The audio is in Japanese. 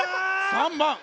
３ばん。